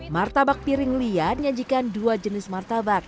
martabak piring lian nyajikan dua jenis martabak